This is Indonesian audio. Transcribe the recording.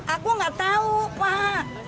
aku nggak tahu pak